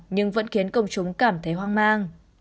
nhưng vẫn khiến công chúng cảm thấy hoang mang